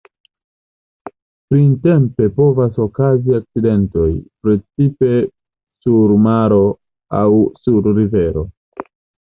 Printempe povas okazi akcidentoj, precipe sur maro aŭ sur rivero.